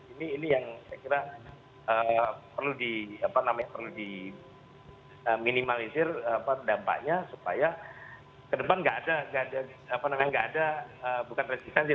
ini yang saya kira perlu di apa namanya perlu di minimalisir dampaknya supaya kedepan gak ada bukan resistan sih